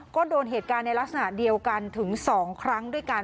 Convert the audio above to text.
ก็โดนเหตุการณ์ในลักษณะเดียวกันถึง๒ครั้งด้วยกัน